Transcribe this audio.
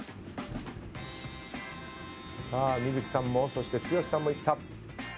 さあ観月さんもそして剛さんもいった。